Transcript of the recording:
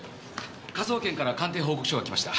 科捜研から鑑定報告書が来ました。